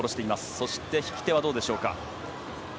そして引き手はどうでしょうか。